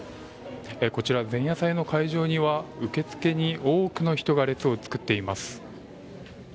前夜祭の会場には受付に多くの人が列を作っています。